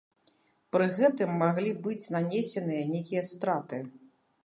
Пры гэтым маглі быць нанесеныя нейкія страты.